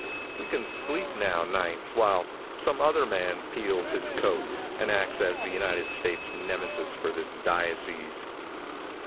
We can sleep now nights while some other man peels his coat, and acts as the United States nemesis for this diocese.